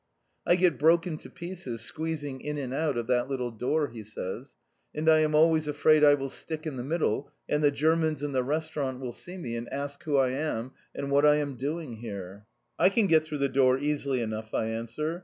"I get broken to pieces squeezing in and out of that little door," he says. "And I am always afraid I will stick in the middle, and the Germans in the restaurant will see me, and ask who I am, and what I am doing here!" "I can get through the door easily enough," I answer.